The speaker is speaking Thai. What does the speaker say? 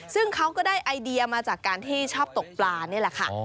ซึ่งเขาก็ได้ไอเดียมาจากการที่ชอบตกปลานี่แหละค่ะ